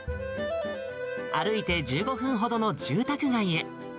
歩いて１５分ほどの住宅街へ。